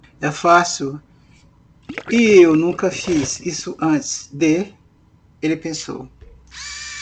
É fácil? e eu nunca fiz isso antes de? ele pensou.